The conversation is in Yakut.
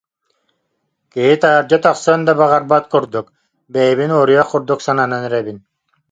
Киһи таһырдьа тахсыан да баҕарбат курдук, бэйэбин уоруйах курдук сананан эрэбин